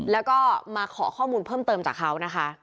และก็มาขอความคิดเพิ่มเติมจากเขา